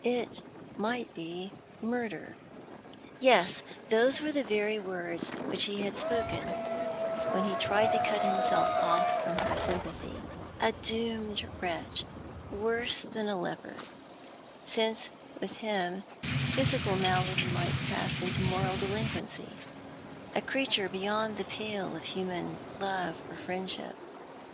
It might be murder. Yes, those were the very words which he had spoken, when lie tried to cut himself off from her sympathj' — a doomed wretch, worse than a leper, since with him physical malady might pass into moral delinquency— a creature beyond the pale of human love or friendship.